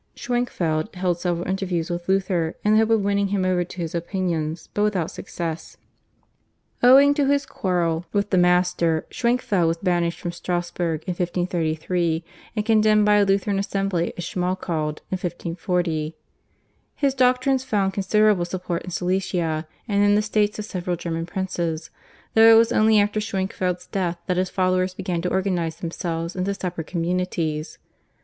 Schwenkfeld held several interviews with Luther in the hope of winning him over to his opinions but without success. Owing to his quarrel with the master, Schwenkfeld was banished from Strassburg in 1533, and condemned by a Lutheran assembly at Schmalkald in 1540. His doctrines found considerable support in Silesia and in the states of several German princes, though it was only after Schwenkfeld's death that his followers began to organise themselves into separate communities.